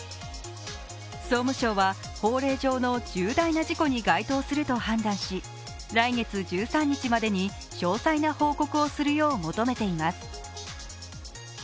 総務省は、法令上の重大な事故に該当すると判断し来月１３日までに詳細な報告をするよう求めています。